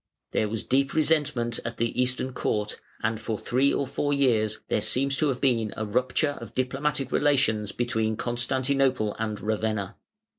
There was deep resentment at the Eastern Court, and for three or four years there seems to have been a rupture of diplomatic relations between Constantinople and Ravenna.